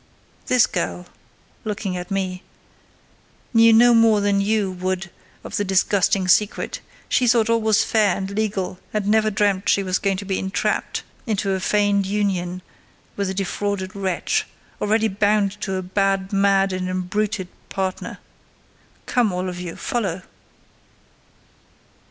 This girl," he continued, looking at me, "knew no more than you, Wood, of the disgusting secret: she thought all was fair and legal; and never dreamt she was going to be entrapped into a feigned union with a defrauded wretch, already bound to a bad, mad, and embruted partner! Come all of you—follow!"